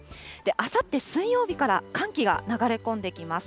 あさって水曜日から、寒気が流れ込んできます。